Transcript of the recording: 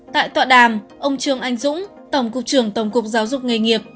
tại tọa đàm ông trương anh dũng tổng cục trưởng tổng cục giáo dục nghề nghiệp